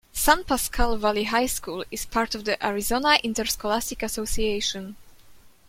San Pasqual Valley High School is part of the Arizona Interscholastic Association.